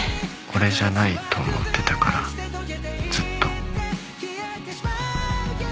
俺じゃないと思ってたからずっと。